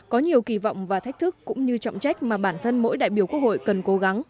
có nhiều kỳ vọng và thách thức cũng như trọng trách mà bản thân mỗi đại biểu quốc hội cần cố gắng